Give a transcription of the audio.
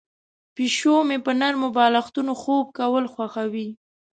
پیشو مې په نرمو بالښتونو خوب کول خوښوي.